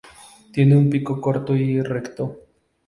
Tiene un pico corto y recto.